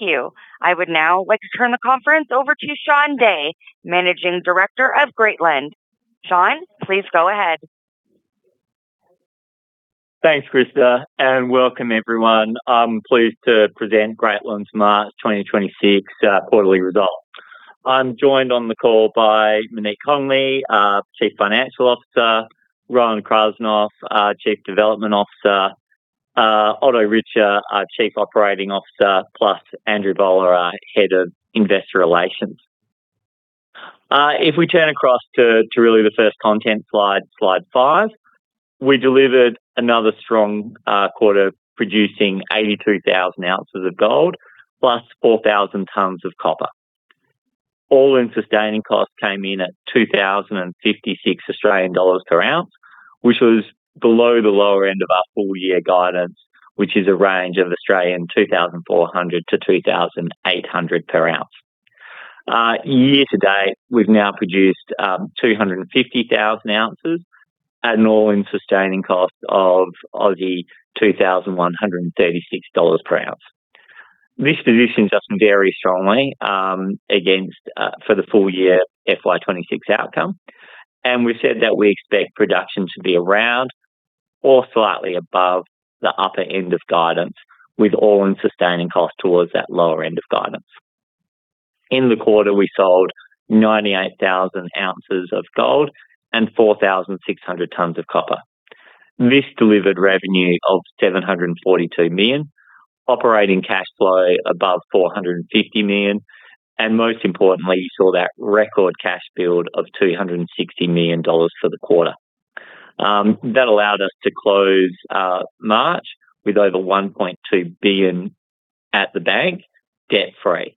Thank you. I would now like to turn the conference over to Shaun Day, Managing Director of Greatland. Shaun, please go ahead. Thanks, Krista, and welcome everyone. I'm pleased to present Greatland's March 2026 quarterly results. I'm joined on the call by Monique Connolly, Chief Financial Officer, Rowan Krasnoff, our Chief Development Officer, Otto Richter, our Chief Operating Officer, plus Andrew Bowler, our Head of Investor Relations. If we turn across to really the first content slide 5, we delivered another strong quarter producing 82,000 ounces of gold plus 4,000 tonnes of copper. All-in sustaining costs came in at 2,056 Australian dollars per ounce, which was below the lower end of our full year guidance, which is a range of 2,400-2,800 per ounce. Year to date, we've now produced 250,000 ounces at an all-in sustaining cost of 2,136 Aussie dollars per ounce. This positions us very strongly for the full year FY 2026 outcome, and we've said that we expect production to be around or slightly above the upper end of guidance with all-in sustaining cost towards that lower end of guidance. In the quarter, we sold 98,000 ounces of gold and 4,600 tonnes of copper. This delivered revenue of 742 million, operating cash flow above 450 million, and most importantly, you saw that record cash build of 260 million dollars for the quarter. That allowed us to close March with over 1.2 billion at the bank, debt-free.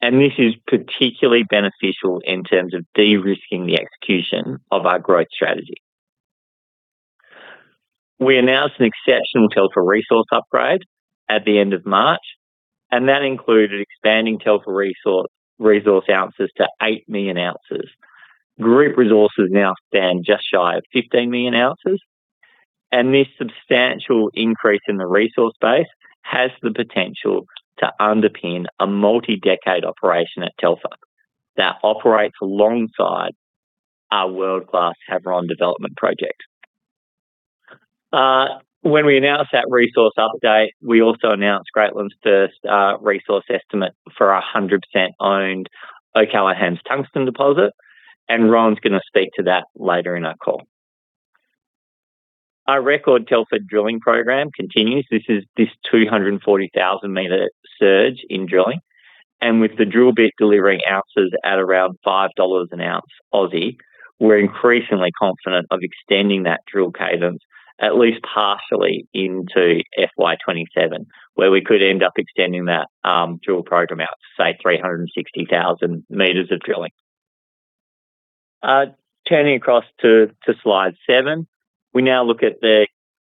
This is particularly beneficial in terms of de-risking the execution of our growth strategy. We announced an exceptional Telfer resource upgrade at the end of March, and that included expanding Telfer resource ounces to 8 million ounces. Group resources now stand just shy of 15 million ounces, and this substantial increase in the resource base has the potential to underpin a multi-decade operation at Telfer that operates alongside our world-class Havieron development project. When we announced that resource update, we also announced Greatland's first resource estimate for our 100% owned O'Callaghans tungsten deposit, and Rowan's gonna speak to that later in our call. Our record Telfer drilling program continues. This is the 240,000-meter surge in drilling, with the drill bit delivering ounces at around 5 dollars an ounce. We're increasingly confident of extending that drill cadence at least partially into FY 2027, where we could end up extending that drill program out to, say, 360,000 meters of drilling. Turning to slide 7, we now look at the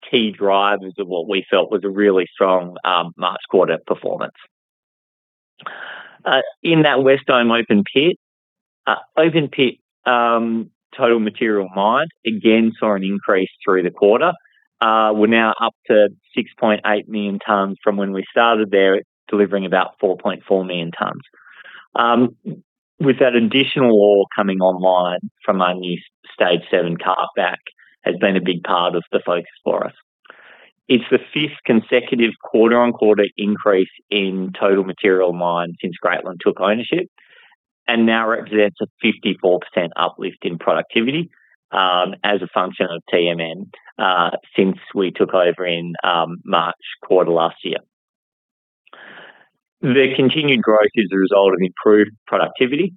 key drivers of what we felt was a really strong March quarter performance. In that West Dome open pit, total material mined again saw an increase through the quarter. We're now up to 6.8 million tons from when we started there, delivering about 4.4 million tons. With that additional ore coming online from our new Stage Seven cutback has been a big part of the focus for us. It's the fifth consecutive quarter-on-quarter increase in total material mined since Greatland took ownership and now represents a 54% uplift in productivity, as a function of TMM, since we took over in March quarter last year. The continued growth is a result of improved productivity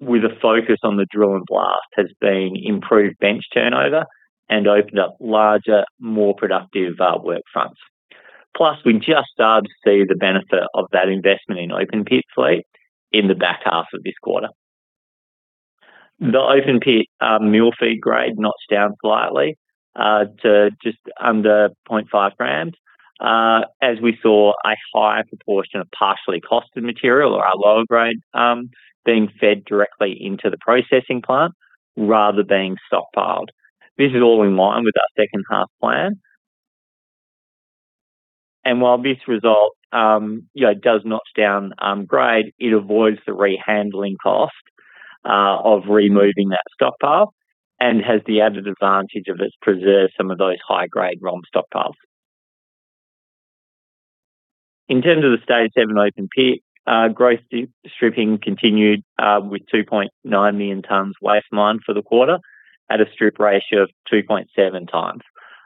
with a focus on the drill and blast has been improved bench turnover and opened up larger, more productive work fronts. Plus, we just started to see the benefit of that investment in open pit fleet in the back half of this quarter. The open pit mill feed grade notched down slightly to just under 0.5 grams, as we saw a higher proportion of partially oxidized material or lower grade being fed directly into the processing plant rather than being stockpiled. This is all in line with our second half plan. While this result, you know, does notch down grade, it avoids the rehandling cost of removing that stockpile and has the added advantage of preserving some of those high grade ROM stockpiles. In terms of the Stage 7 open pit, pre-stripping continued with 2.9 million tonnes waste mined for the quarter at a strip ratio of 2.7 times.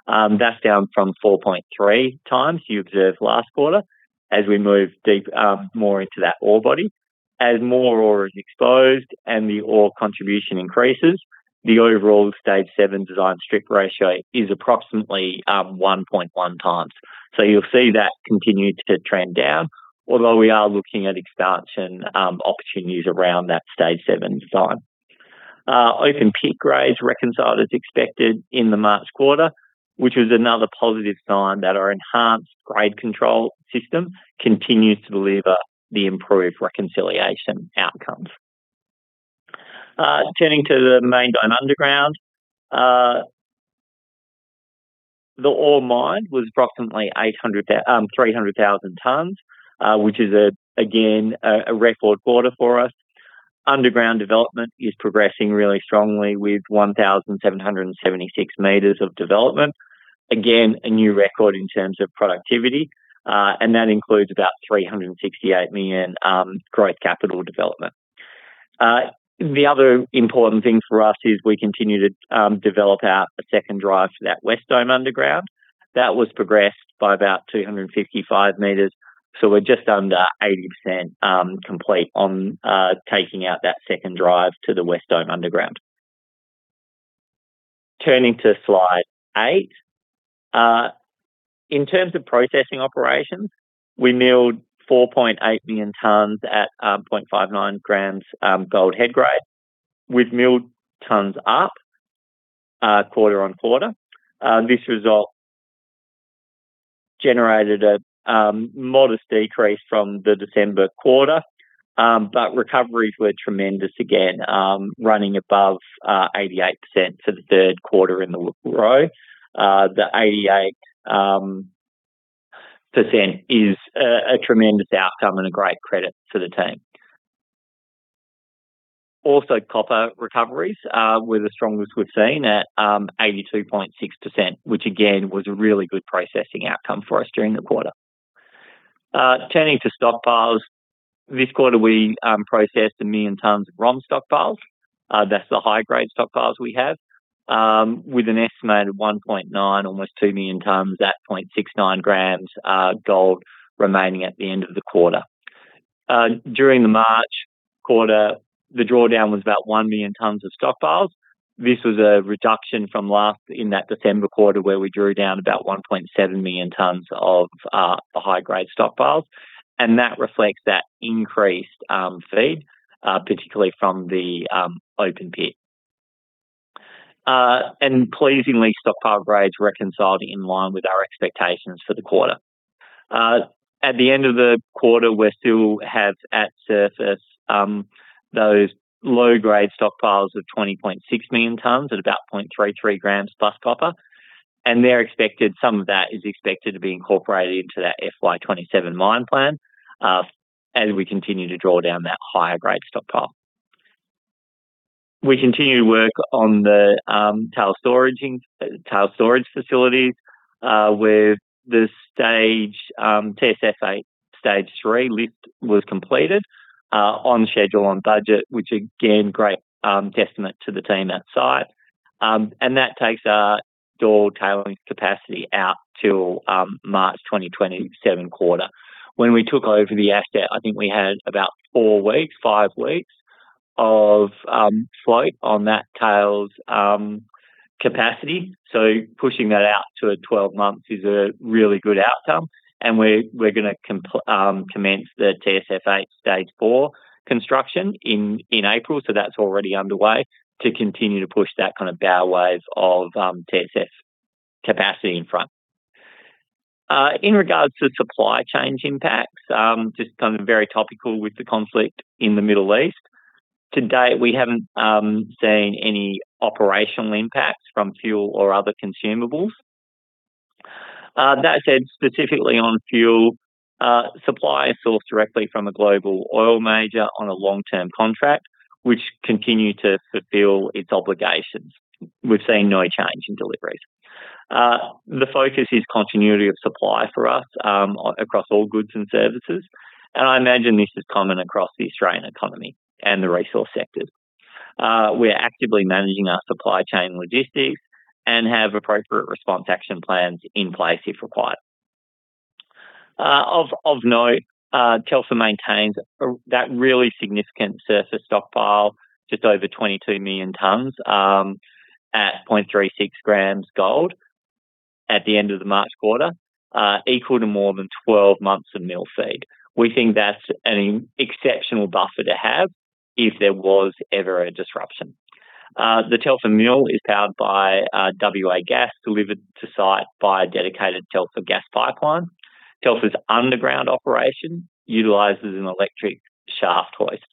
That's down from 4.3 times you observed last quarter as we move deeper into that ore body. As more ore is exposed and the ore contribution increases, the overall Stage 7 design strip ratio is approximately 1.1 times. You'll see that continue to trend down, although we are looking at expansion opportunities around that Stage 7 design. Open pit grades reconciled as expected in the March quarter, which is another positive sign that our enhanced grade control system continues to deliver the improved reconciliation outcomes. Turning to the Main Dome underground, the ore mined was approximately 300,000 tonnes, which is again a record quarter for us. Underground development is progressing really strongly with 1,776 meters of development. Again, a new record in terms of productivity, and that includes about 368 meters of growth capital development. The other important thing for us is we continue to develop out a second drive to that West Dome underground. That was progressed by about 255 meters. We're just under 80% complete on taking out that second drive to the West Dome underground. Turning to slide 8. In terms of processing operations, we milled 4.8 million tonnes at 0.59 grams gold head grade. We've milled tonnes up quarter-on-quarter. This result generated a modest decrease from the December quarter, but recoveries were tremendous again, running above 88% for the third quarter in a row. The 88% is a tremendous outcome and a great credit to the team. Also, copper recoveries were the strongest we've seen at 82.6%, which again, was a really good processing outcome for us during the quarter. Turning to stockpiles. This quarter, we processed 1 million tonnes of ROM stockpiles. That's the high-grade stockpiles we have, with an estimated 1.9, almost 2 million tonnes at 0.69 grams gold remaining at the end of the quarter. During the March quarter, the drawdown was about 1 million tonnes of stockpiles. This was a reduction from last in that December quarter, where we drew down about 1.7 million tonnes of the high-grade stockpiles, and that reflects that increased feed, particularly from the open pit. Pleasingly, stockpile grades reconciled in line with our expectations for the quarter. At the end of the quarter, we still have at surface those low-grade stockpiles of 20.6 million tonnes at about 0.33 grams plus copper. Some of that is expected to be incorporated into that FY 2027 mine plan as we continue to draw down that higher grade stockpile. We continue to work on the tail storage facilities with the TSF stage 3 lift completed on schedule, on budget, which again great testament to the team at site. That takes our ore tailing capacity out till March 2027 quarter. When we took over the asset, I think we had about four weeks, five weeks of float on that tails capacity. Pushing that out to 12 months is a really good outcome. We're gonna commence the TSF stage 4 construction in April. That's already underway to continue to push that kind of bow wave of TSF capacity in front. In regards to supply chain impacts, just kind of very topical with the conflict in the Middle East. To date, we haven't seen any operational impacts from fuel or other consumables. That said, specifically on fuel supply sourced directly from a global oil major on a long-term contract, which continued to fulfill its obligations. We've seen no change in deliveries. The focus is continuity of supply for us across all goods and services, and I imagine this is common across the Australian economy and the resource sectors. We are actively managing our supply chain logistics and have appropriate response action plans in place if required. Of note, Telfer maintains that really significant surface stockpile, just over 22 million tons at 0.36 grams gold at the end of the March quarter, equal to more than 12 months of mill feed. We think that's an exceptional buffer to have if there was ever a disruption. The Telfer mill is powered by WA Gas delivered to site by a dedicated Telfer gas pipeline. Telfer's underground operation utilizes an electric shaft hoist,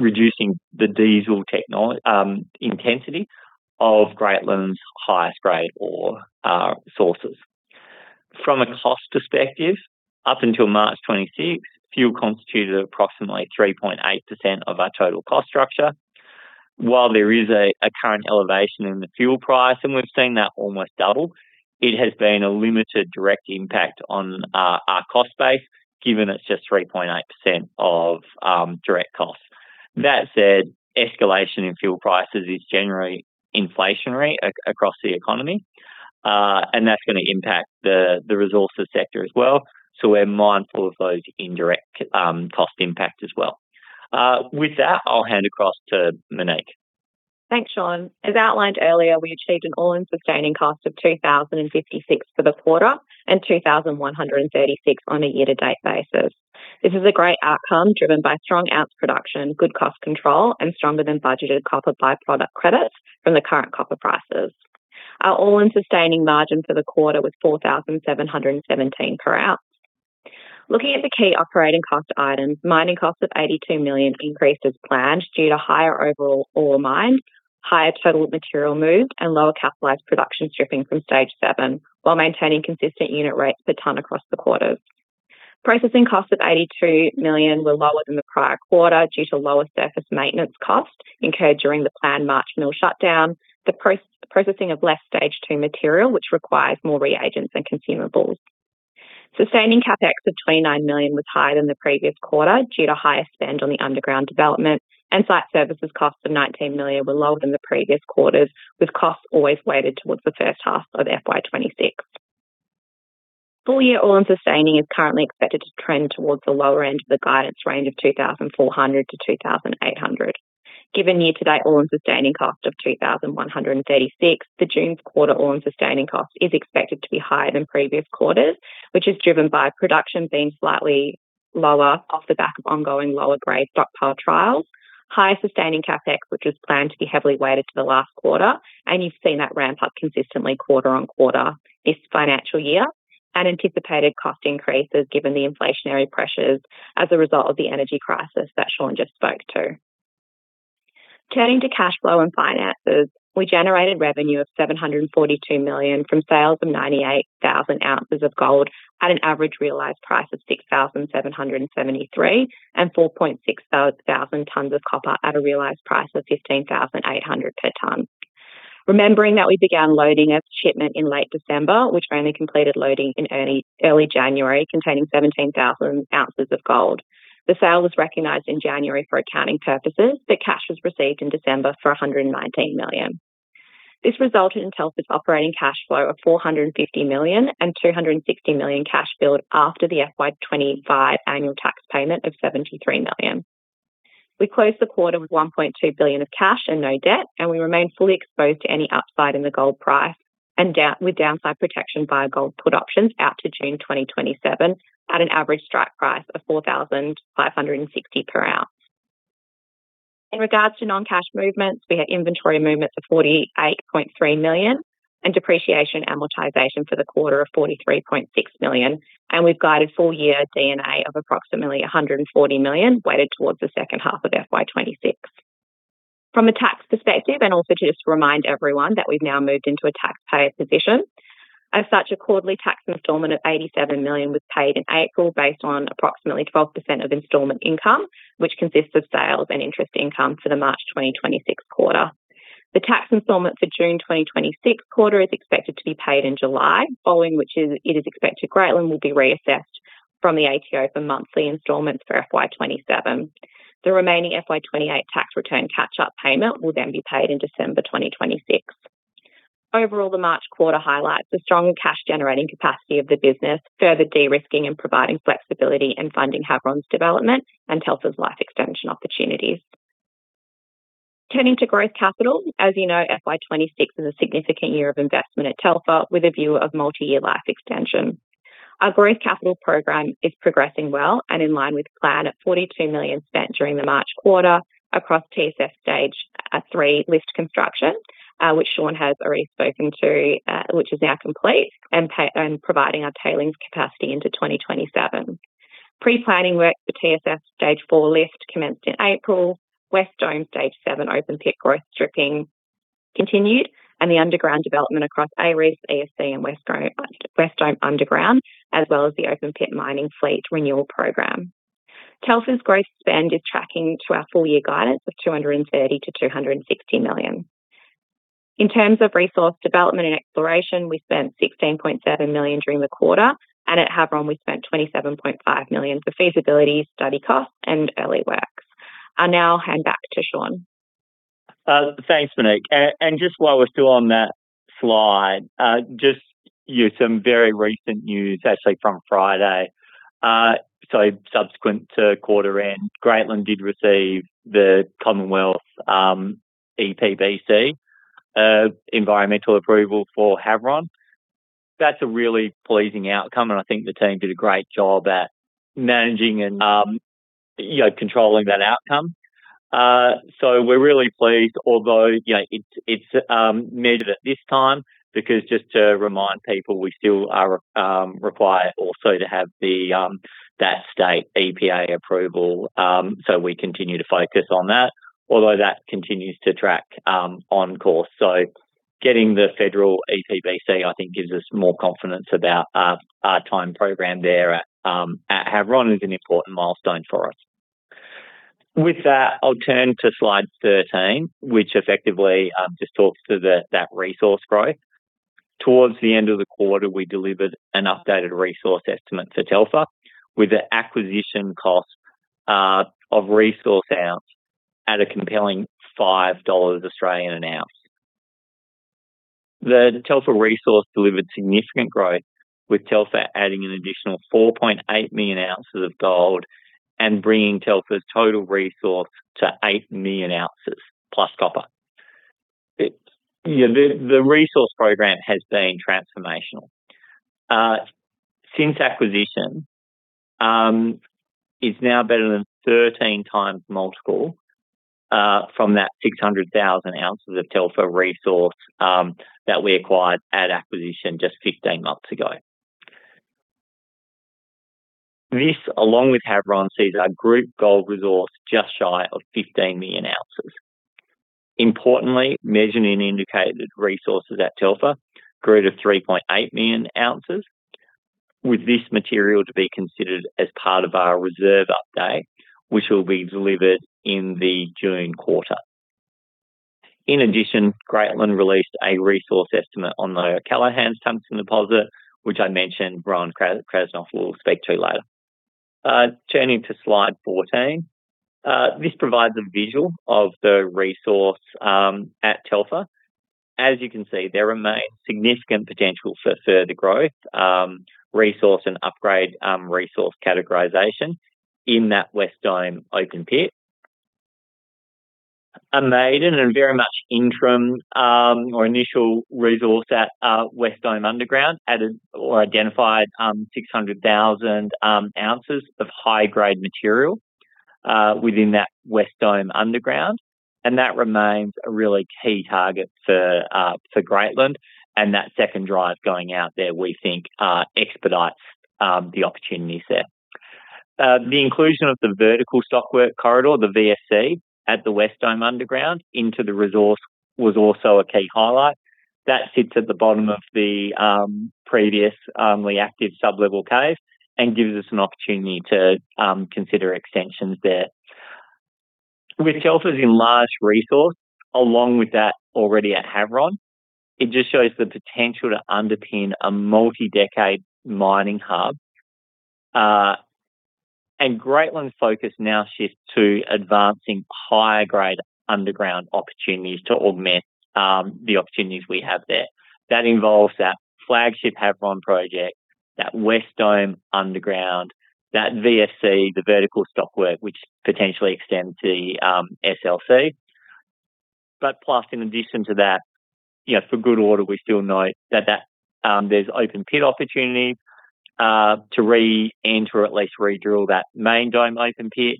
reducing the diesel intensity of Greatland's highest grade ore sources. From a cost perspective, up until March 2026, fuel constituted approximately 3.8% of our total cost structure. While there is a current elevation in the fuel price, and we've seen that almost double, it has been a limited direct impact on our cost base, given it's just 3.8% of direct costs. That said, escalation in fuel prices is generally inflationary across the economy, and that's gonna impact the resources sector as well. We're mindful of those indirect cost impacts as well. With that, I'll hand across to Monique. Thanks, Shaun. As outlined earlier, we achieved an all-in sustaining cost of 2,056 for the quarter and 2,136 on a year-to-date basis. This is a great outcome driven by strong ounce production, good cost control, and stronger than budgeted copper by-product credits from the current copper prices. Our all-in sustaining margin for the quarter was 4,717 per ounce. Looking at the key operating cost items, mining costs of 82 million increased as planned due to higher overall ore mined, higher total material moved, and lower capitalized production stripping from stage seven, while maintaining consistent unit rates per ton across the quarters. Processing costs of 82 million were lower than the prior quarter due to lower surface maintenance costs incurred during the planned March mill shutdown. The processing of less stage two material, which requires more reagents and consumables. Sustaining CapEx of AUD 29 million was higher than the previous quarter due to higher spend on the underground development and site services costs of AUD 19 million were lower than the previous quarters, with costs always weighted towards the first half of FY 2026. Full year all-in sustaining cost is currently expected to trend towards the lower end of the guidance range of 2,400-2,800. Given year to date all-in sustaining cost of 2,136, the June quarter all-in sustaining cost is expected to be higher than previous quarters, which is driven by production being slightly lower off the back of ongoing lower grade stockpile trials. Higher sustaining CapEx, which is planned to be heavily weighted to the last quarter, and you've seen that ramp up consistently quarter on quarter this financial year, and anticipated cost increases given the inflationary pressures as a result of the energy crisis that Shaun just spoke to. Turning to cash flow and finances, we generated revenue of 742 million from sales of 98,000 ounces of gold at an average realized price of 6,773, and 4,600 tons of copper at a realized price of 15,800 per ton. Remembering that we began loading a shipment in late December, which only completed loading in early January, containing 17,000 ounces of gold. The sale was recognized in January for accounting purposes, but cash was received in December for 119 million. This resulted in Telfer's operating cash flow of 450 million and 260 million cash build after the FY 2025 annual tax payment of 73 million. We closed the quarter with 1.2 billion of cash and no debt, and we remain fully exposed to any upside in the gold price and down with downside protection via gold put options out to June 2027 at an average strike price of 4,560 per ounce. In regards to non-cash movements, we have inventory movements of 48.3 million and depreciation amortization for the quarter of 43.6 million, and we've guided full year D&A of approximately 140 million, weighted towards the second half of FY 2026. From a tax perspective, and also just to remind everyone that we've now moved into a taxpayer position. As such, a quarterly tax installment of AUD 87 million was paid in April based on approximately 12% of installment income, which consists of sales and interest income for the March 2026 quarter. The tax installment for June 2026 quarter is expected to be paid in July, following which, it is expected Greatland will be reassessed by the ATO for monthly installments for FY 2027. The remaining FY 2028 tax return catch-up payment will then be paid in December 2026. Overall, the March quarter highlights the strong cash generating capacity of the business, further de-risking and providing flexibility in funding Havieron's development and Telfer's life extension opportunities. Turning to growth capital. As you know, FY 2026 is a significant year of investment at Telfer with a view of multi-year life extension. Our growth capital program is progressing well and in line with plan at 42 million spent during the March quarter across TSF stage three lift construction, which Shaun has already spoken to, which is now complete and providing our tailings capacity into 2027. Pre-planning work for TSF stage four lift commenced in April. West Dome stage 7 open pit growth stripping continued, and the underground development across Ares, VSC and West Dome, West Dome Underground, as well as the open pit mining fleet renewal program. Telfer's growth spend is tracking to our full year guidance of 230 million-260 million. In terms of resource development and exploration, we spent 16.7 million during the quarter, and at Havieron we spent 27.5 million for feasibility study costs and early works. I now hand back to Shaun. Thanks, Monique. Just while we're still on that slide, just to give you some very recent news actually from Friday. Subsequent to quarter end, Greatland did receive the Commonwealth EPBC environmental approval for Havieron. That's a really pleasing outcome, and I think the team did a great job at managing and, you know, controlling that outcome. We're really pleased, although, you know, it's needed at this time because just to remind people, we still are required also to have that state EPA approval. We continue to focus on that, although that continues to track on course. Getting the federal EPBC I think gives us more confidence about our time programmed there at Havieron is an important milestone for us. With that, I'll turn to slide 13, which effectively just talks to that resource growth. Towards the end of the quarter, we delivered an updated resource estimate for Telfer with the acquisition cost of resource ounce at a compelling 5 Australian dollars an ounce. The Telfer resource delivered significant growth, with Telfer adding an additional 4.8 million ounces of gold and bringing Telfer's total resource to 8 million ounces plus copper. You know, the resource program has been transformational. Since acquisition, it's now better than 13x multiple from that 600,000 ounces of Telfer resource that we acquired at acquisition just 15 months ago. This, along with Havieron, sees our group gold resource just shy of 15 million ounces. Importantly, measured and indicated resources at Telfer grew to 3.8 million ounces, with this material to be considered as part of our reserve update, which will be delivered in the June quarter. In addition, Greatland released a resource estimate on the O'Callaghans tungsten deposit, which I mentioned Rowan Krasnoff will speak to later. Turning to slide 14. This provides a visual of the resource at Telfer. As you can see, there remains significant potential for further growth, resource and upgrade, resource categorization in that West Dome open pit. A maiden and very much interim, or initial resource at West Dome Underground added or identified six hundred thousand ounces of high-grade material within that West Dome Underground, and that remains a really key target for Greatland. That second drive going out there, we think, expedites the opportunities there. The inclusion of the vertical stockwork corridor, the VSC, at the West Dome Underground into the resource was also a key highlight. That sits at the bottom of the previous only active sublevel caving and gives us an opportunity to consider extensions there. With Telfer's enlarged resource, along with that already at Havieron, it just shows the potential to underpin a multi-decade mining hub. Greatland's focus now shifts to advancing higher-grade underground opportunities to augment the opportunities we have there. That involves that flagship Havieron project, that West Dome Underground, that VSC, the vertical stockwork, which potentially extends to SLC. Plus, in addition to that, you know, for good order, we still know that there's open pit opportunity to reenter, at least redrill that Main Dome open pit.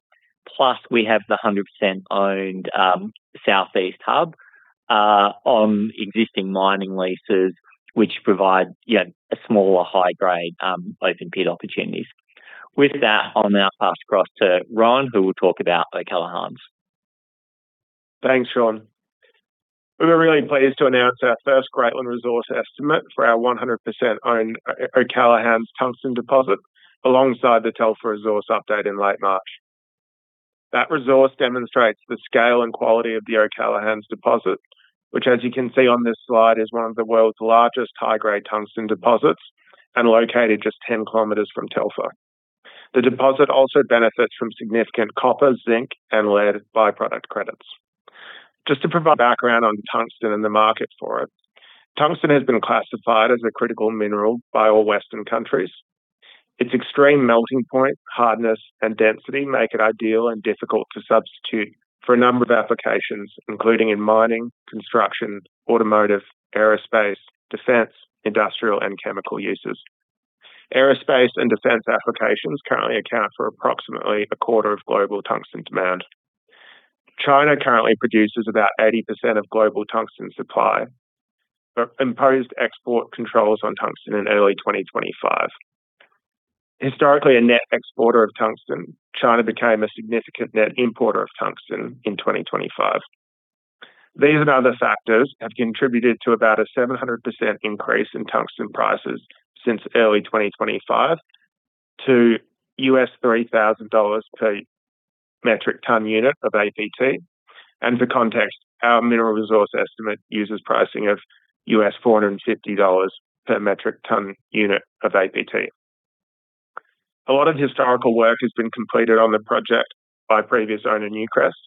Plus, we have the 100% owned southeast hub on existing mining leases, which provide, you know, a smaller high grade open pit opportunities. With that, I'll now pass across to Rowan Krasnoff, who will talk about O'Callaghans. Thanks, Shaun. We were really pleased to announce our first Greatland resource estimate for our 100% owned O'Callaghans tungsten deposit alongside the Telfer resource update in late March. That resource demonstrates the scale and quality of the O'Callaghans deposit, which as you can see on this slide, is one of the world's largest high-grade tungsten deposits and located just 10 km from Telfer. The deposit also benefits from significant copper, zinc and lead byproduct credits. Just to provide background on tungsten and the market for it. Tungsten has been classified as a critical mineral by all Western countries. Its extreme melting point, hardness and density make it ideal and difficult to substitute for a number of applications, including in mining, construction, automotive, aerospace, defense, industrial and chemical uses. Aerospace and defense applications currently account for approximately 25% of global tungsten demand. China currently produces about 80% of global tungsten supply, but imposed export controls on tungsten in early 2025. Historically, a net exporter of tungsten, China became a significant net importer of tungsten in 2025. These and other factors have contributed to about a 700% increase in tungsten prices since early 2025 to $3,000 per metric ton unit of APT. For context, our mineral resource estimate uses pricing of $450 per metric ton unit of APT. A lot of historical work has been completed on the project by previous owner Newcrest,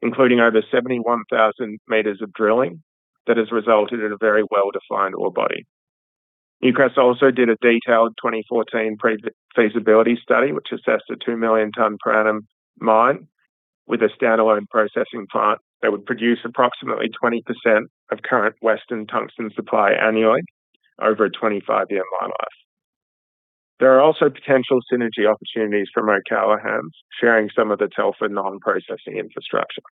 including over 71,000 meters of drilling that has resulted in a very well-defined ore body. Newcrest also did a detailed 2014 pre-feasibility study, which assessed a 2 million ton per annum mine with a standalone processing plant that would produce approximately 20% of current Western tungsten supply annually over a 25-year mine life. There are also potential synergy opportunities for O'Callaghans sharing some of the Telfer non-processing infrastructure.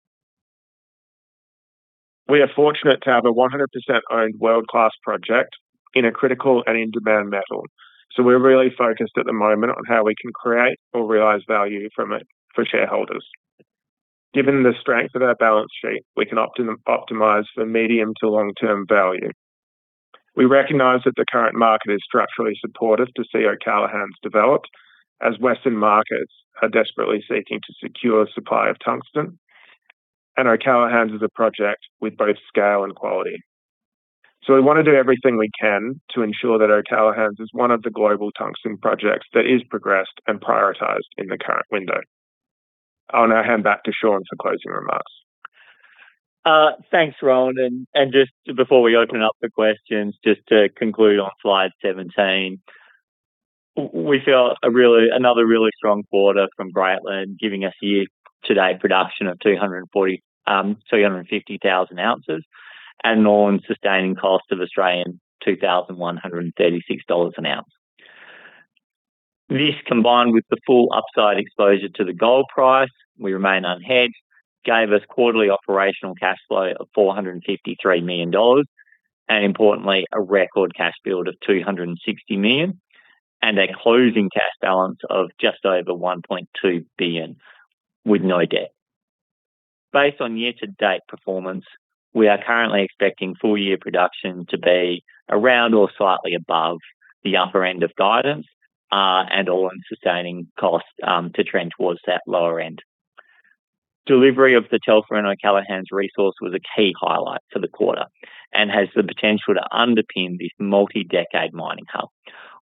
We are fortunate to have a 100% owned world-class project in a critical and in-demand metal. We're really focused at the moment on how we can create or realize value from it for shareholders. Given the strength of our balance sheet, we can optimize for medium- to long-term value. We recognize that the current market is structurally supportive to see O'Callaghans developed, as Western markets are desperately seeking to secure supply of tungsten, and O'Callaghans is a project with both scale and quality. We want to do everything we can to ensure that O'Callaghans is one of the global tungsten projects that is progressed and prioritized in the current window. I'll now hand back to Shaun for closing remarks. Thanks, Rowan. Just before we open up for questions, just to conclude on slide 17. We feel another really strong quarter from Greatland, giving us year-to-date production of 250,000 ounces at an all-in sustaining cost of 2,136 Australian dollars an ounce. This combined with the full upside exposure to the gold price, we remain unhedged, gave us quarterly operational cash flow of 453 million dollars, and importantly, a record cash build of 260 million, and a closing cash balance of just over 1.2 billion with no debt. Based on year-to-date performance, we are currently expecting full year production to be around or slightly above the upper end of guidance, and all-in sustaining costs to trend towards that lower end. Delivery of the Telfer and O'Callaghans resource was a key highlight for the quarter and has the potential to underpin this multi-decade mining hub.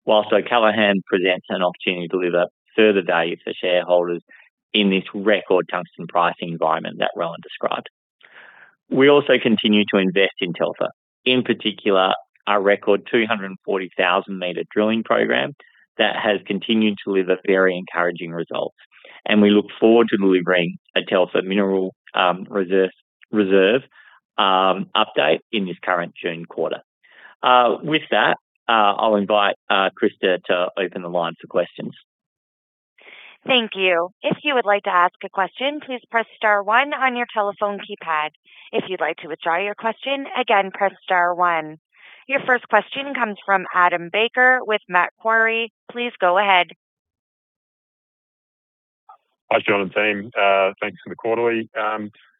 While O'Callaghans presents an opportunity to deliver further value for shareholders in this record tungsten pricing environment that Rowan described. We also continue to invest in Telfer, in particular, our record 240,000-meter drilling program that has continued to deliver very encouraging results. We look forward to delivering a Telfer mineral reserve update in this current June quarter. With that, I'll invite Krista to open the line for questions. Thank you. If you would like to ask a question, please press star one on your telephone keypad. If you'd like to withdraw your question, again press star one. Your first question comes from Adam Baker with Macquarie. Please go ahead. Hi, Shaun and team. Thanks for the quarterly.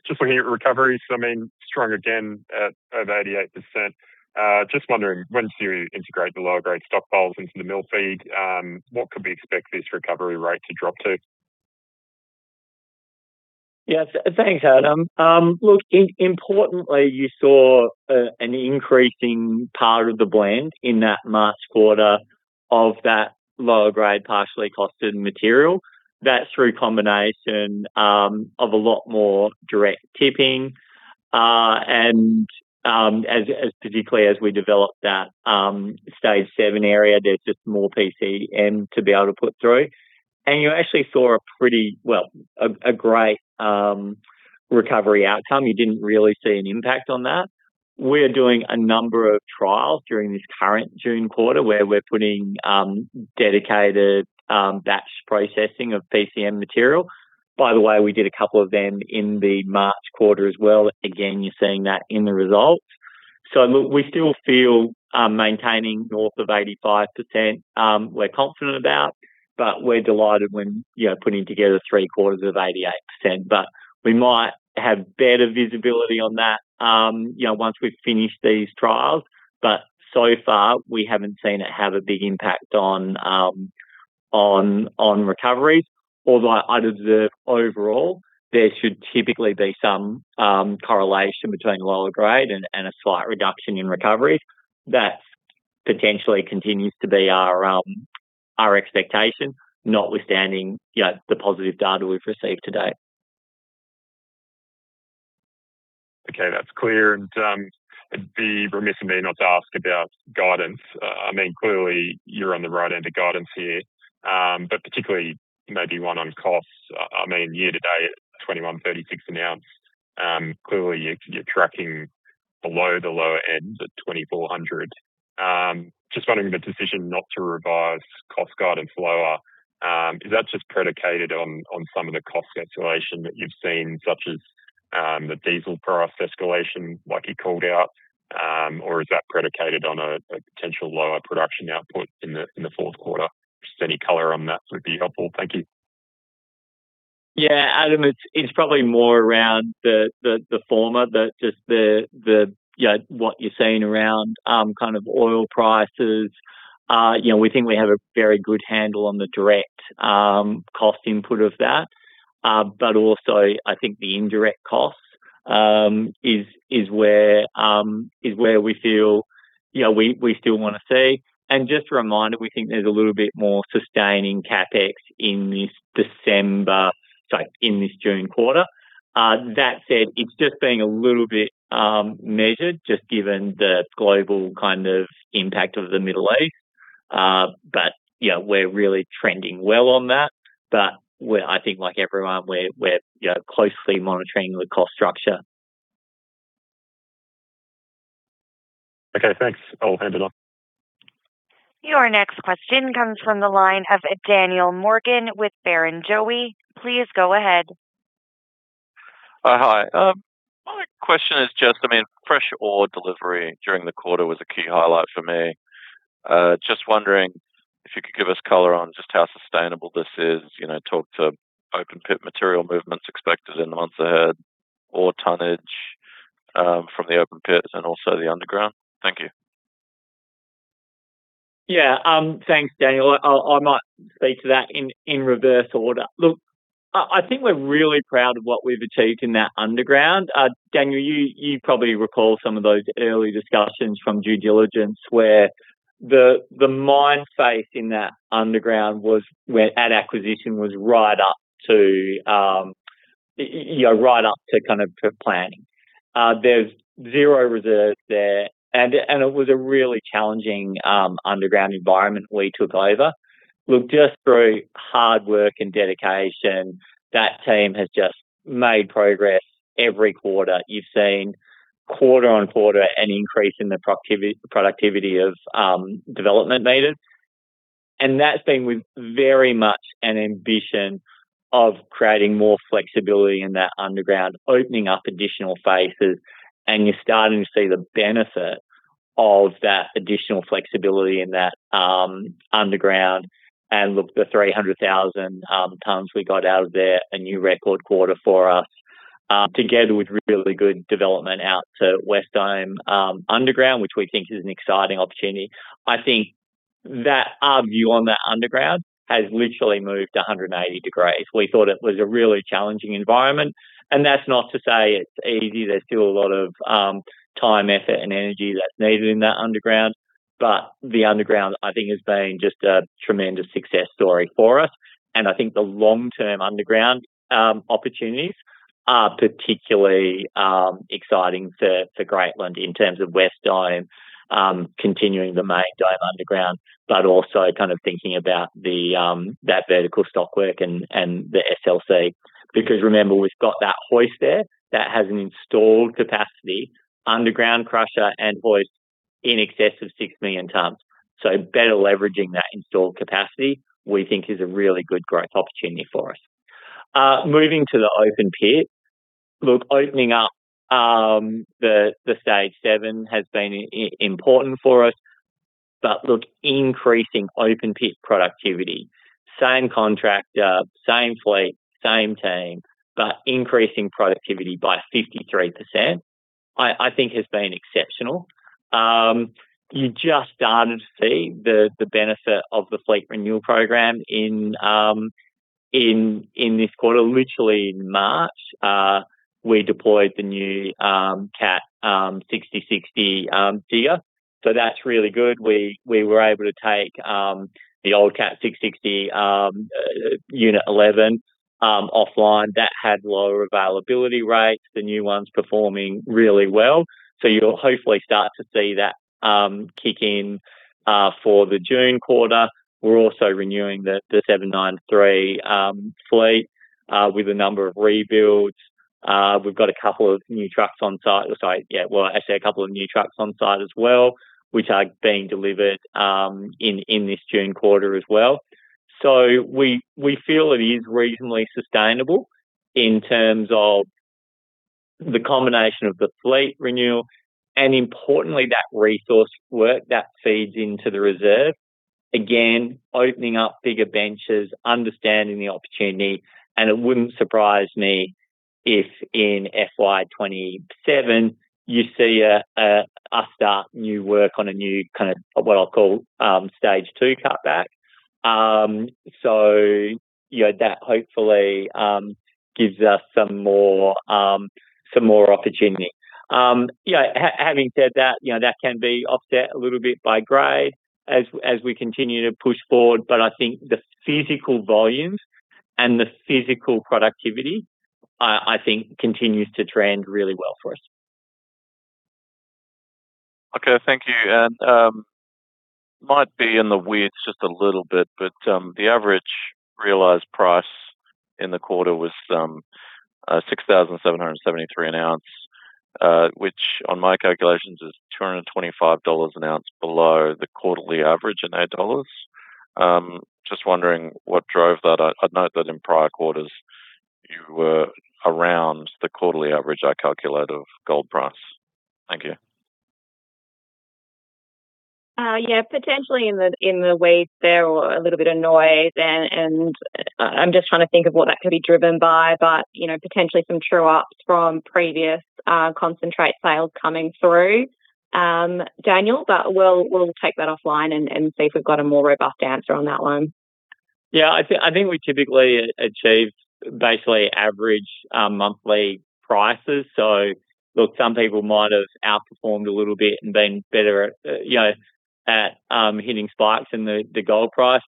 Just looking at recoveries, I mean, strong again at over 88%. Just wondering, once you integrate the lower grade stockpiles into the mill feed, what could we expect this recovery rate to drop to? Yes, thanks, Adam. Look, importantly, you saw an increasing part of the blend in that March quarter of that lower grade, partially costed material. That's through a combination of a lot more direct tipping and as particularly as we develop that stage seven area, there's just more PCM to be able to put through. You actually saw a pretty, well, a great recovery outcome. You didn't really see an impact on that. We're doing a number of trials during this current June quarter where we're putting dedicated batch processing of PCM material. By the way, we did a couple of them in the March quarter as well. Again, you're seeing that in the results. Look, we still feel maintaining north of 85%, we're confident about, but we're delighted when, you know, putting together three-quarters of 88%. We might have better visibility on that, you know, once we've finished these trials. So far, we haven't seen it have a big impact on recoveries, although I'd observe overall there should typically be some correlation between lower grade and a slight reduction in recoveries. That potentially continues to be our expectation, notwithstanding, you know, the positive data we've received today. Okay, that's clear. It'd be remiss of me not to ask about guidance. I mean, clearly you're on the right end of guidance here, but particularly maybe one on costs. I mean, year to date at 2,136 an ounce, clearly you're tracking below the lower end at 2,400. Just wondering if the decision not to revise cost guidance lower, is that just predicated on some of the cost escalation that you've seen, such as the diesel price escalation like you called out, or is that predicated on a potential lower production output in the fourth quarter? Just any color on that would be helpful. Thank you. Adam, it's probably more around the former, just the, you know, what you're seeing around kind of oil prices. You know, we think we have a very good handle on the direct cost input of that. But also I think the indirect costs is where we feel, you know, we still wanna see. Just a reminder, we think there's a little bit more sustaining CapEx in this June quarter. That said, it's just being a little bit measured just given the global kind of impact of the Middle East. But you know, we're really trending well on that. I think like everyone, we're, you know, closely monitoring the cost structure. Okay, thanks. I'll hand it over. Your next question comes from the line of Daniel Morgan with Barrenjoey. Please go ahead. Hi. My question is just, I mean, fresh ore delivery during the quarter was a key highlight for me. Just wondering if you could give us color on just how sustainable this is, you know, talk to open pit material movements expected in the months ahead, ore tonnage, from the open pits and also the underground. Thank you. Yeah. Thanks, Daniel. I might speak to that in reverse order. Look, I think we're really proud of what we've achieved in that underground. Daniel, you probably recall some of those early discussions from due diligence where the mine site in that underground was where at acquisition was right up to you know, right up to kind of planning. There's zero reserves there and it was a really challenging underground environment we took over. Look, just from hard work and dedication. That team has just made progress every quarter. You've seen quarter-on-quarter an increase in the productivity of development meters. That's been with very much an ambition of creating more flexibility in that underground, opening up additional phases, and you're starting to see the benefit of that additional flexibility in that underground. Look, the 300,000 tons we got out of there, a new record quarter for us, together with really good development out to West Dome underground, which we think is an exciting opportunity. I think that our view on that underground has literally moved 180 degrees. We thought it was a really challenging environment, and that's not to say it's easy. There's still a lot of time, effort, and energy that's needed in that underground. The underground, I think has been just a tremendous success story for us. I think the long-term underground opportunities are particularly exciting for Greatland in terms of West Dome, continuing the main dome underground, but also kind of thinking about that vertical stockwork and the SLC, because remember, we've got that hoist there that has an installed capacity underground crusher and hoist in excess of 6 million tons. Better leveraging that installed capacity we think is a really good growth opportunity for us. Moving to the open pit. Look, opening up the stage seven has been important for us, but look, increasing open pit productivity, same contractor, same fleet, same team, but increasing productivity by 53%, I think has been exceptional. You just started to see the benefit of the fleet renewal program in this quarter. Literally in March, we deployed the new Cat 6060 digger. That's really good. We were able to take the old Cat 6060 unit 11 offline that had lower availability rates, the new one's performing really well. You'll hopefully start to see that kick in for the June quarter. We're also renewing the 793 fleet with a number of rebuilds. We've got a couple of new trucks on site. Sorry. Yeah. Well, actually a couple of new trucks on site as well, which are being delivered in this June quarter as well. We feel it is reasonably sustainable in terms of the combination of the fleet renewal and importantly, that resource work that feeds into the reserve. Again, opening up bigger benches, understanding the opportunity, and it wouldn't surprise me if in FY 2027 you see us start new work on a new kind of what I'll call Stage 2 cutback. You know, that hopefully gives us some more opportunity. You know, having said that, you know, that can be offset a little bit by grade as we continue to push forward. I think the physical volumes and the physical productivity continues to trend really well for us. Okay. Thank you. Might be in the weeds just a little bit, but the average realized price in the quarter was $6,773 an ounce, which on my calculations is $225 an ounce below the quarterly average in USD. Just wondering what drove that. I'd note that in prior quarters you were around the quarterly average, I calculate, of gold price. Thank you. Yeah, potentially in the weeds there or a little bit of noise and I'm just trying to think of what that could be driven by. You know, potentially some true ups from previous concentrate sales coming through, Daniel. We'll take that offline and see if we've got a more robust answer on that one. Yeah, I think we typically achieved basically average monthly prices. Look, some people might have outperformed a little bit and been better at, you know, hitting spikes in the gold price.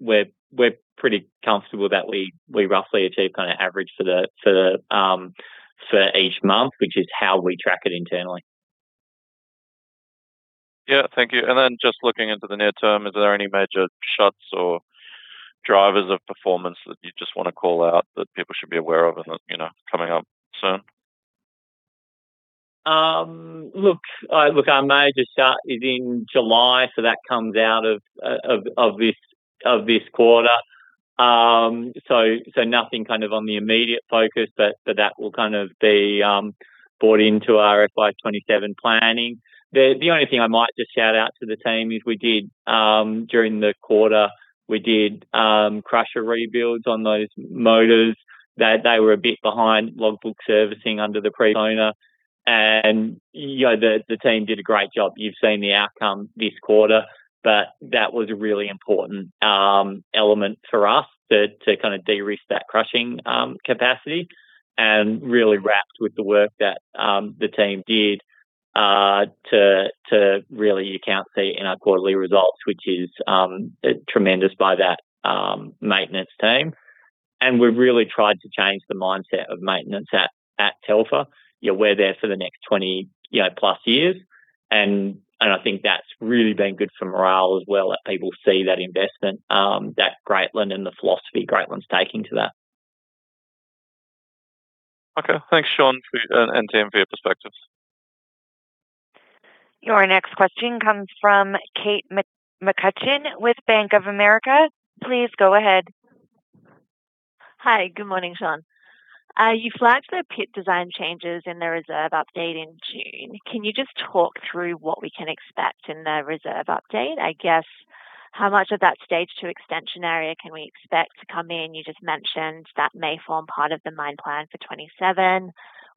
We're pretty comfortable that we roughly achieve kind of average for each month, which is how we track it internally. Yeah. Thank you. Just looking into the near term, is there any major shocks or drivers of performance that you just wanna call out that people should be aware of and that, you know, coming up soon? Look, our major shutdown is in July, so that comes out of this quarter. Nothing kind of on the immediate focus, but that will kind of be brought into our FY 2027 planning. The only thing I might just shout out to the team is we did during the quarter crusher rebuilds on those motors. They were a bit behind logbook servicing under the previous owner. You know, the team did a great job. You've seen the outcome this quarter, but that was a really important element for us to kind of de-risk that crushing capacity and really rapt with the work that the team did to really you can see in our quarterly results, which is tremendous by that maintenance team. We've really tried to change the mindset of maintenance at Telfer. You know, we're there for the next 20, you know, plus years. I think that's really been good for morale as well, that people see that investment that Greatland and the philosophy Greatland's taking to that. Okay. Thanks, Shaun and team, for your perspectives. Your next question comes from Kate McCutcheon with Bank of America. Please go ahead. Hi. Good morning, Shaun. You flagged the pit design changes in the reserve update in June. Can you just talk through what we can expect in the reserve update? I guess, how much of that Stage 2 extension area can we expect to come in? You just mentioned that may form part of the mine plan for 2027.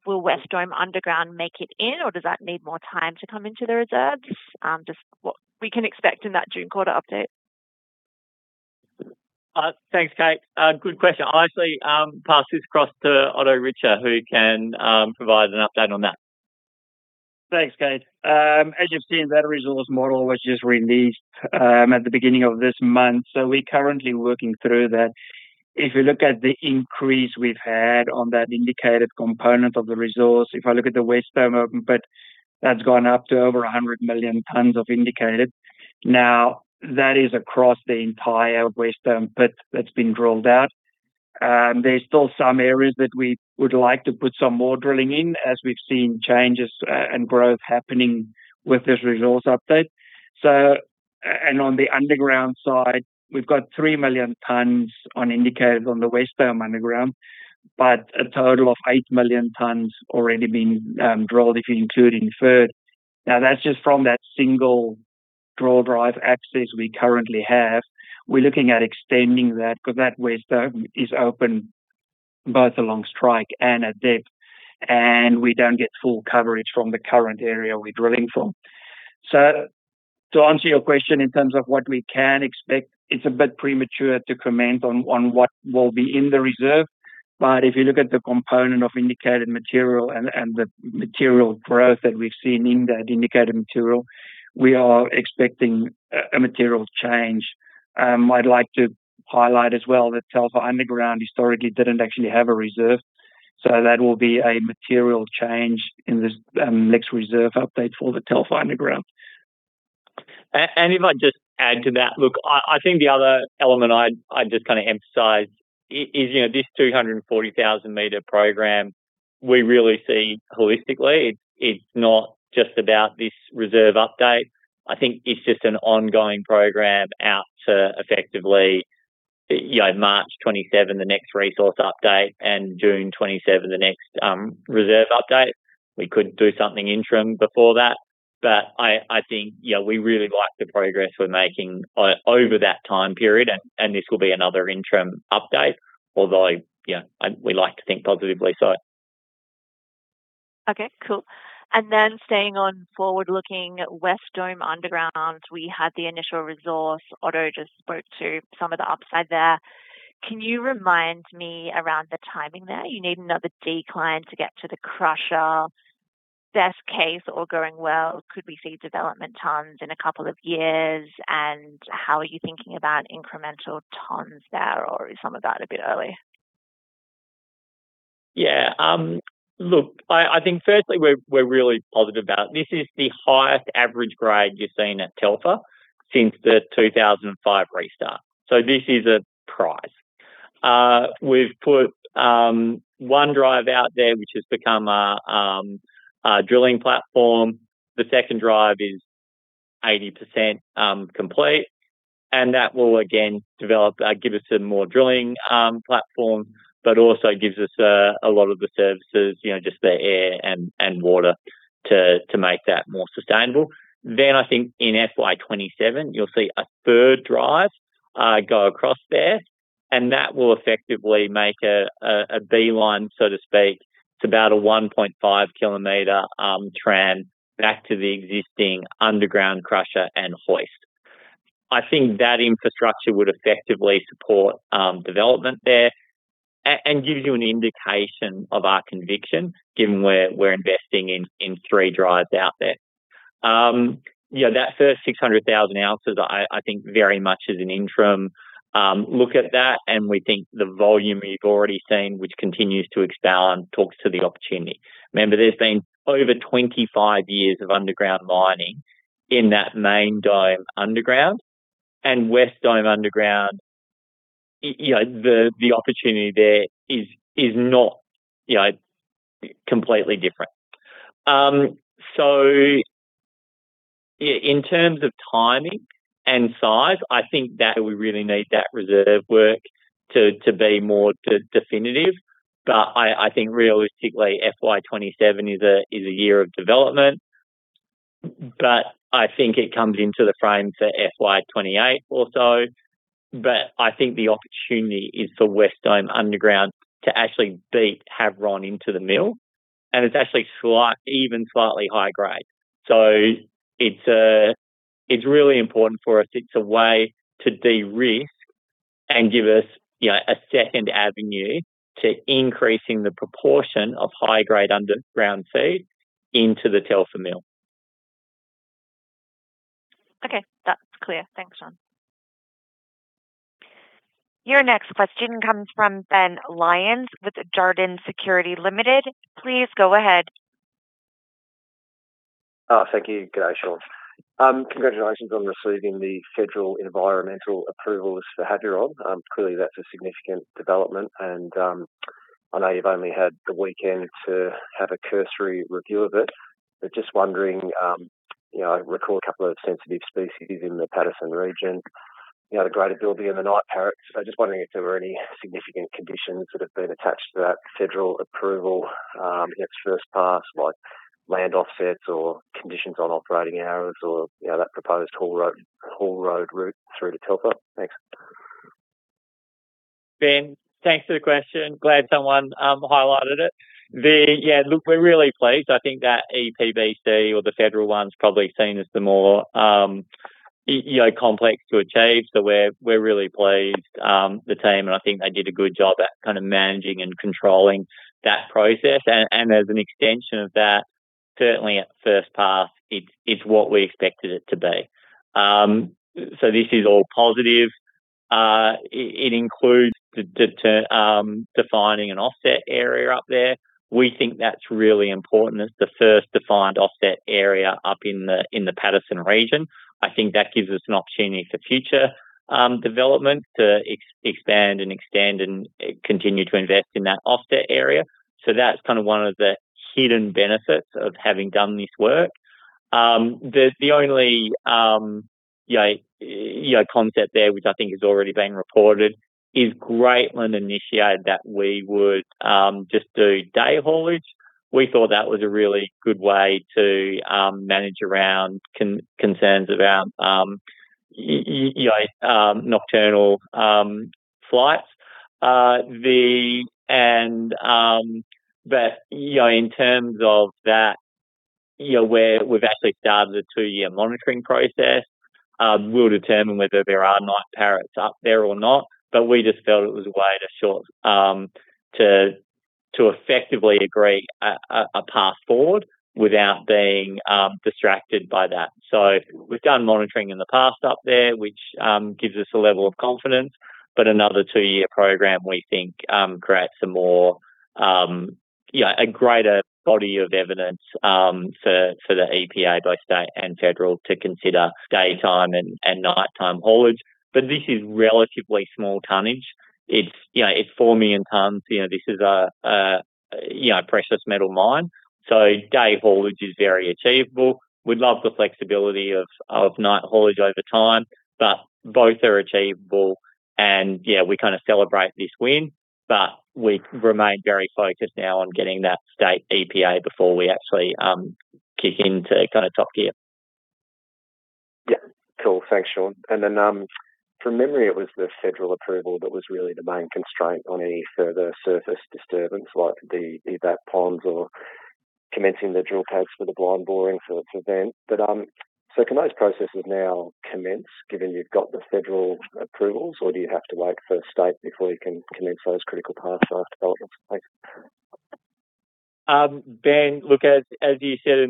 Will West Dome Underground make it in, or does that need more time to come into the reserves? Just what we can expect in that June quarter update. Thanks, Kate. Good question. I'll actually pass this across to Otto Richter, who can provide an update on that. Thanks, Kate. As you've seen, that resource model was just released at the beginning of this month. We're currently working through that. If you look at the increase we've had on that indicated component of the resource, if I look at the West Dome open pit, that's gone up to over 100 million tons of indicated. Now, that is across the entire West Dome pit that's been drilled out. There's still some areas that we would like to put some more drilling in as we've seen changes and growth happening with this resource update. And on the underground side, we've got 3 million tons on indicated on the West Dome Underground, but a total of 8 million tons already been drilled if you include inferred. Now, that's just from that single drill drive access we currently have. We're looking at extending that 'cause that West Dome is open both along strike and at depth, and we don't get full coverage from the current area we're drilling from. To answer your question in terms of what we can expect, it's a bit premature to comment on what will be in the reserve. If you look at the component of indicated material and the material growth that we've seen in that indicated material, we are expecting a material change. I'd like to highlight as well that Telfer Underground historically didn't actually have a reserve. That will be a material change in this next reserve update for the Telfer Underground. If I just add to that. Look, I think the other element I'd just kinda emphasize is, you know, this 240,000-meter program, we really see holistically. It's not just about this reserve update. I think it's just an ongoing program out to effectively, you know, March 2027, the next resource update, and June 2027, the next reserve update. We could do something interim before that. I think, you know, we really like the progress we're making over that time period and this will be another interim update. Although, you know, we like to think positively. Okay. Cool. Staying on forward-looking, West Dome Underground, we had the initial resource. Otto just spoke to some of the upside there. Can you remind me around the timing there? You need another decline to get to the crusher. Best case, or going well, could we see development tons in a couple of years? And how are you thinking about incremental tons there, or is some of that a bit early? Look, I think firstly, we're really positive about it. This is the highest average grade you've seen at Telfer since the 2005 restart. This is a prize. We've put one drive out there, which has become our drilling platform. The second drive is 80% complete, and that will again develop, give us some more drilling platform, but also gives us a lot of the services, you know, just the air and water to make that more sustainable. I think in FY 2027 you'll see a third drive go across there, and that will effectively make a beeline, so to speak. It's about a 1.5 kilometer tram back to the existing underground crusher and hoist. I think that infrastructure would effectively support development there and gives you an indication of our conviction, given we're investing in three drives out there. You know, that first 600,000 ounces I think very much is an interim look at that, and we think the volume we've already seen, which continues to excel and talks to the opportunity. Remember, there's been over 25 years of underground mining in that Main Dome Underground and West Dome Underground. You know, the opportunity there is not completely different. So in terms of timing and size, I think that we really need that reserve work to be more definitive. I think realistically, FY 2027 is a year of development. I think it comes into the frame for FY 2028 or so. I think the opportunity is for West Dome Underground to actually beat Havieron into the mill. It's actually slightly higher grade. It's really important for us. It's a way to de-risk and give us, you know, a second avenue to increasing the proportion of high-grade underground feed into the Telfer mill. Okay. That's clear. Thanks, Shaun. Your next question comes from Ben Lyons with Jarden Securities Limited. Please go ahead. Oh, thank you. Good day, Shaun. Congratulations on receiving the federal environmental approvals for Havieron. Clearly, that's a significant development and I know you've only had the weekend to have a cursory review of it. Just wondering, you know, I recall a couple of sensitive species in the Paterson region, you know, the greater bilby and the night parrots. Just wondering if there were any significant conditions that have been attached to that federal approval, in its first pass, like land offsets or conditions on operating hours or, you know, that proposed haul road route through to Telfer. Thanks. Ben, thanks for the question. Glad someone highlighted it. Yeah, look, we're really pleased. I think that EPBC or the federal one's probably seen as the more you know complex to achieve. We're really pleased, the team, and I think they did a good job at kind of managing and controlling that process. As an extension of that, certainly at first pass, it's what we expected it to be. This is all positive. It includes the defining an offset area up there. We think that's really important. It's the first defined offset area up in the Paterson region. I think that gives us an opportunity for future development to expand and extend and continue to invest in that offset area. That's kind of one of the hidden benefits of having done this work. The only, you know, concept there, which I think has already been reported, is Greatland initiated that we would just do day haulage. We thought that was a really good way to manage around concerns about, you know, nocturnal flights. You know, in terms of that, you know, where we've actually started a two-year monitoring process, we'll determine whether there are night parrots up there or not. We just felt it was a way to sort to effectively agree a path forward without being distracted by that. We've done monitoring in the past up there, which gives us a level of confidence. Another two-year program, we think, creates a more, you know, a greater body of evidence for the EPA, both state and federal, to consider daytime and nighttime haulage. This is relatively small tonnage. It's you know 4 million tons. You know, this is a you know precious metal mine. So day haulage is very achievable. We'd love the flexibility of night haulage over time, but both are achievable. Yeah, we kind of celebrate this win, but we remain very focused now on getting that state EPA before we actually kick into kind of top gear. Yeah. Cool. Thanks, Shaun. From memory, it was the federal approval that was really the main constraint on any further surface disturbance, like the evap ponds or commencing the drill pads for the blind boring for the TSF. Can those processes now commence given you've got the federal approvals, or do you have to wait for state before you can commence those critical path type developments? Thanks. Ben, look, as you said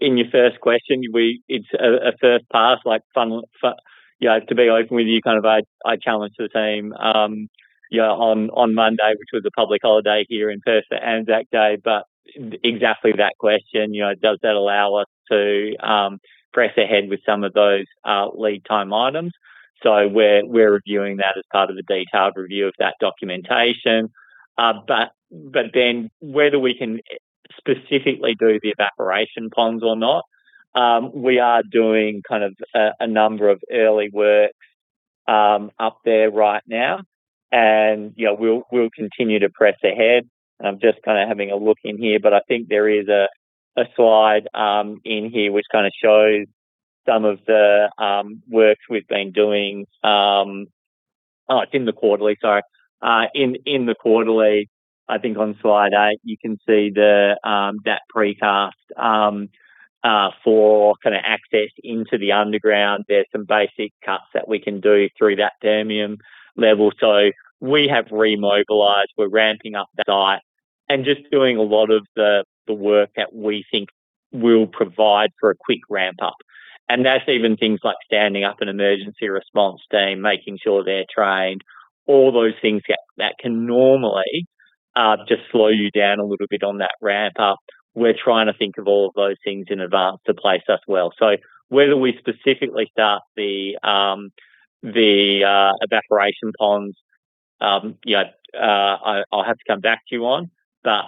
in your first question, it's a first pass like fun. You know, to be open with you, kind of I challenged the team, you know, on Monday, which was a public holiday here in Perth for Anzac Day. Exactly that question, you know, does that allow us to press ahead with some of those lead time items? We're reviewing that as part of the detailed review of that documentation. But Ben, whether we can specifically do the evaporation ponds or not, we are doing kind of a number of early works up there right now. You know, we'll continue to press ahead. I'm just kinda having a look in here, but I think there is a slide in here which kinda shows some of the works we've been doing. Oh, it's in the quarterly, sorry. In the quarterly, I think on slide 8, you can see that precast for kinda access into the underground. There's some basic cuts that we can do through that datum level. We have remobilized, we're ramping up the site and just doing a lot of the work that we think will provide for a quick ramp up. That's even things like standing up an emergency response team, making sure they're trained, all those things that can normally just slow you down a little bit on that ramp up. We're trying to think of all of those things in advance to place as well. Whether we specifically start the evaporation ponds, I'll have to come back to you on.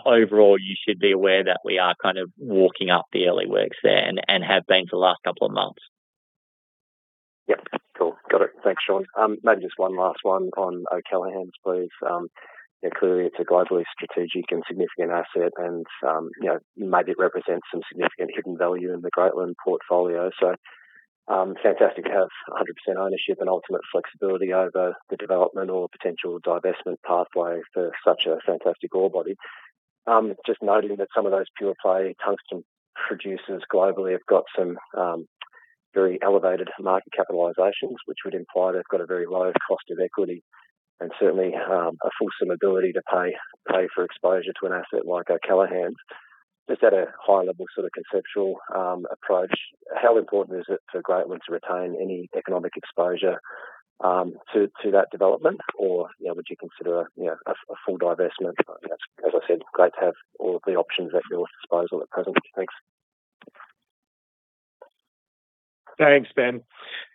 Overall, you should be aware that we are kind of walking up the early works there and have been for the last couple of months. Yeah. Cool. Got it. Thanks, Shaun. Maybe just one last one on O'Callaghans, please. You know, clearly it's a globally strategic and significant asset and, you know, maybe it represents some significant hidden value in the Greatland portfolio. Fantastic to have 100% ownership and ultimate flexibility over the development or potential divestment pathway for such a fantastic ore body. Just noting that some of those pure play tungsten producers globally have got some, very elevated market capitalizations, which would imply they've got a very low cost of equity, and certainly, a fulsome ability to pay for exposure to an asset like O'Callaghans. Just at a high level sort of conceptual approach, how important is it for Greatland to retain any economic exposure to that development? Or, you know, would you consider a full divestment? As I said, great to have all of the options at your disposal at present. Thanks. Thanks, Ben.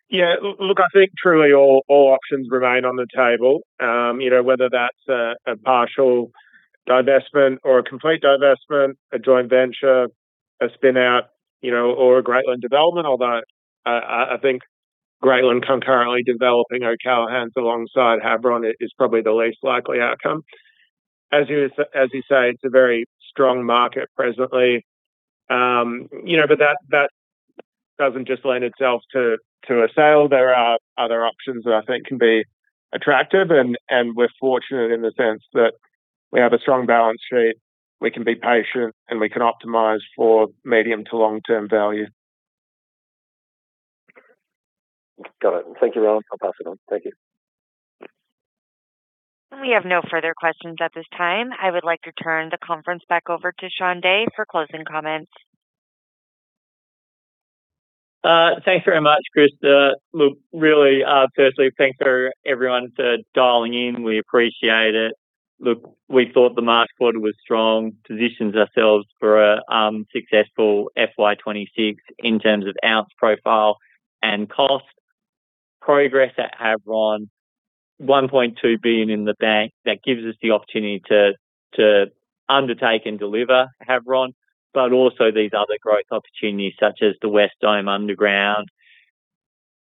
Yeah, look, I think truly all options remain on the table. You know, whether that's a partial divestment or a complete divestment, a joint venture, a spin out, you know, or a Greatland development, although I think Greatland concurrently developing O'Callaghans alongside Havieron is probably the least likely outcome. As you say, it's a very strong market presently. You know, but that doesn't just lend itself to a sale. There are other options that I think can be attractive and we're fortunate in the sense that we have a strong balance sheet, we can be patient, and we can optimize for medium to long-term value. Got it. Thank you, Rowan. I'll pass it on. Thank you. We have no further questions at this time. I would like to turn the conference back over to Shaun Day for closing comments. Thanks very much, Krista. Look, really, firstly, thanks for everyone for dialing in. We appreciate it. Look, we thought the March quarter was strong. Positions ourselves for a successful FY 2026 in terms of ounce profile and cost. Progress at Havieron, 1.2 billion in the bank, that gives us the opportunity to undertake and deliver Havieron, but also these other growth opportunities such as the West Dome Underground,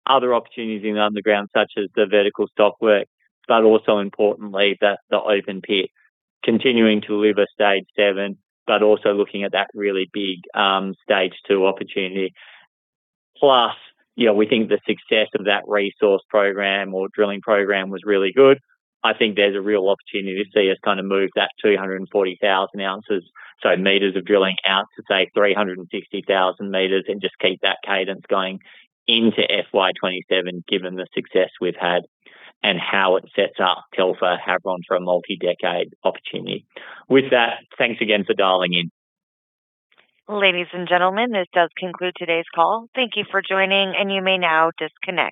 other opportunities in the underground such as the vertical stockwork, but also importantly the open pit. Continuing to deliver Stage 7, but also looking at that really big Stage 2 opportunity. Plus, you know, we think the success of that resource program or drilling program was really good. I think there's a real opportunity to see us kind of move that 240,000 meters of drilling out to say 360,000 meters and just keep that cadence going into FY 2027 given the success we've had and how it sets up Telfer Havieron for a multi-decade opportunity. With that, thanks again for dialing in. Ladies and gentlemen, this does conclude today's call. Thank you for joining, and you may now disconnect.